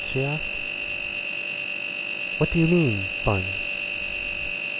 she asked. "What do you mean by fun?"